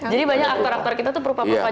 jadi banyak aktor aktor kita tuh perupa perupa